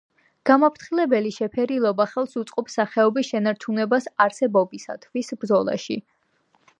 გამაფრთხილებელი შეფერილობა ხელს უწყობს სახეობის შენარჩუნებას არსებობისათვის ბრძოლაში.